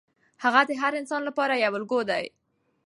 هغه د هر انسان لپاره یو الګو دی.